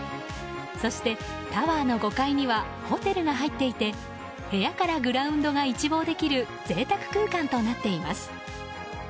そして、タワーの５階にはホテルが入っていて部屋からグラウンドが一望できる贅沢空間となっています。